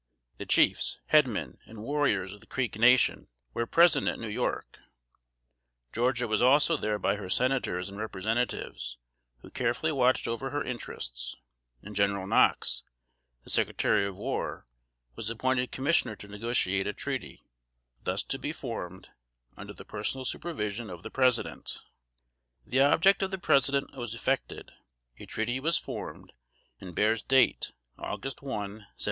The chiefs, headmen and warriors of the Creek nation were present at New York: Georgia was also there by her senators and representatives, who carefully watched over her interests; and General Knox, the Secretary of War, was appointed commissioner to negotiate a treaty, thus to be formed, under the personal supervision of the President. The object of the President was effected, a treaty was formed, and bears date August 1, 1790.